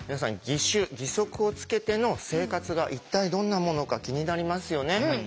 義手義足をつけての生活が一体どんなものか気になりますよね。